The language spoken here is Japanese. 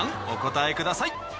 お答えください。